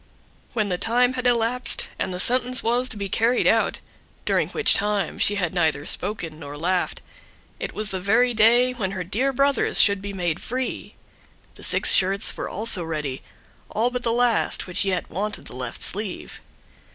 When the time had elapsed, and the sentence was to be carried out, during which she had neither spoken nor laughed, it was the very day when her dear brothers should be made free; the six shirts were also ready, all but the last, which yet wanted the left sleeve.